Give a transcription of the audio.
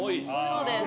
そうです。